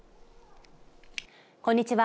こんにちは。